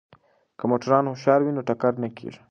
که موټروان هوښیار وي نو ټکر نه کیږي.